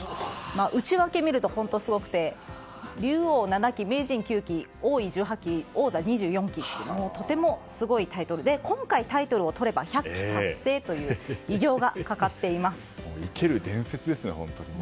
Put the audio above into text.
内訳を見ると本当にすごくて竜王７期、名人９期王位１８期や王座２４期ととてもすごいタイトルで今回、タイトルをとれば１００期達成という生ける伝説ですね。